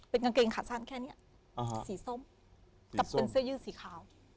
เป็นกางเกงขาสั้นแค่นี้สีส้มกับเป็นเสื้อยืดสีขาว